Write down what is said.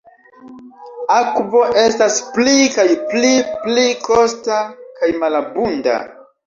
Akvo estas pli kaj pli pli kosta kaj malabunda.